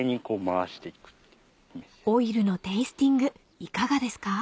［オイルのテイスティングいかがですか？］